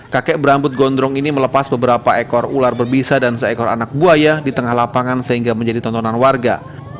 kakek berambut gondrong ini melepas beberapa ekor ular berbisa dan seekor anak buaya di tengah lapangan sehingga menjadi tontonan warga